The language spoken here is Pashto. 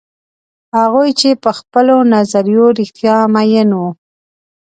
هغوی چې په خپلو نظریو رښتیا میین وي.